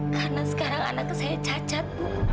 karena sekarang anaknya saya cacat bu